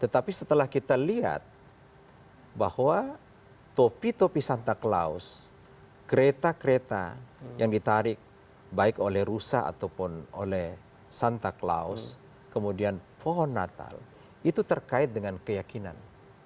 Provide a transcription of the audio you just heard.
tetapi setelah kita lihat bahwa topi topi santa claus kereta kereta yang ditarik baik oleh rusa ataupun oleh santa claus kemudian pohon natal itu terkait dengan keyakinan